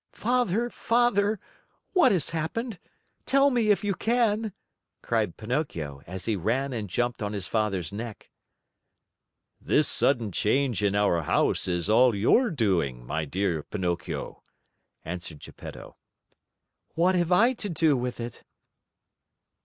"Father, Father, what has happened? Tell me if you can," cried Pinocchio, as he ran and jumped on his Father's neck. "This sudden change in our house is all your doing, my dear Pinocchio," answered Geppetto. "What have I to do with it?"